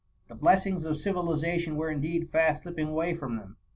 The blessings of civiliza tion were indeed fast slipping away from them.